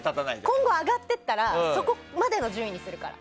今後上がっていったらそこまでの順位にするから。